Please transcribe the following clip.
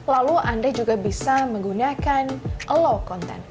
lalu anda juga bisa menggunakan low content